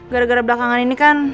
gara gara belakangan ini kan